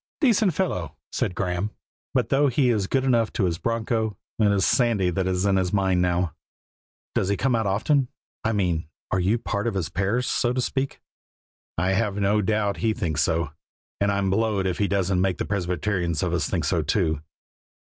"Decent fellow," said Graeme; "but though he is good enough to his broncho, it is Sandy that's in his mind now." "Does he come out often? I mean, are you part of his parish, so to speak?" "I have no doubt he thinks so; and I'm blowed if he doesn't make the Presbyterians of us think so too."